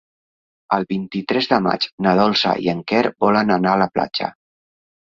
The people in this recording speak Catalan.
El vint-i-tres de maig na Dolça i en Quer volen anar a la platja.